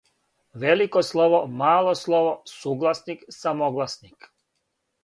Велико слово, мало слово, сугласник, самогласник.